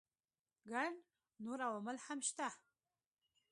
ګڼ نور عوامل هم شته.